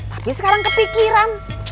tapi sekarang kepikiran